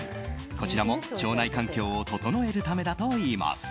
こちらも腸内環境を整えるためだといいます。